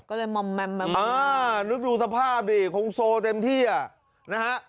ก็เลยมอมแมมแมมนึกดูสภาพดิคงโซเต็มที่อ่ะนะฮะ